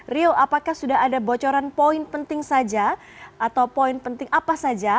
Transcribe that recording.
rio apakah sudah ada bocoran poin penting saja atau poin penting apa saja